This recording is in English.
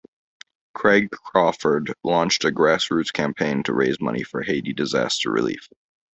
Craig Crawford launched a grass roots campaign to raise money for Haiti disaster relief.